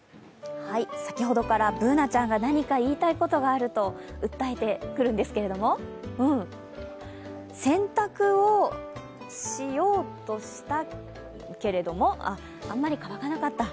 先ほどからＢｏｏｎａちゃんが何か言いたいことがあると訴えてくるんですけれども洗濯をしようとしたけれども、あまり乾かなかった。